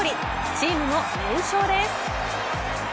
チームも連勝です。